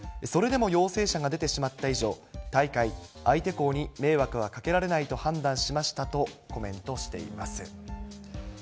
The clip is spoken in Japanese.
それでも陽性者が出てしまった以上、大会、相手校に迷惑はかけられないと判断しましたとコメントしています。